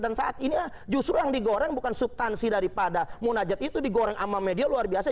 dan saat ini justru yang digoreng bukan substansi daripada munajat itu digoreng sama media luar biasa